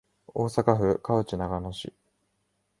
大阪府河内長野市